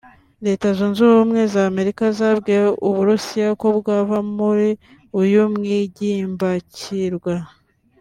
Leta Zunze Ubumwe za Amerika zabwiye u Burusiya ko bwava muri uyu mwigimbakirwa